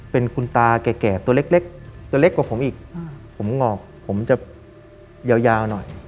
เป็นคุณตาแก่ตัวเล็กตัวเล็กกว่าผมอีกผมงอกผมจะยาวหน่อย